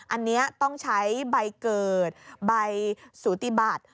อันนี้ต้องใช้ใบเกิดใบสูติบัติ